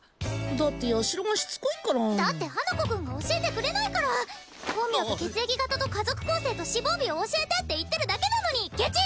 だってヤシロがしつこいからだって花子くんが教えてくれないから本名と血液型と家族構成と死亡日を教えてって言ってるだけなのにケチ！